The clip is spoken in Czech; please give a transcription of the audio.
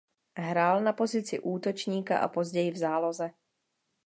Hrál na pozici útočníka a později v záloze.